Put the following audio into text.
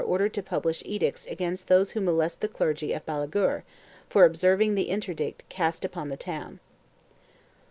TRIBUNALS 543 ordered to publish edicts against those who molest the clergy of Bala guer for observing the interdict cast upon the town.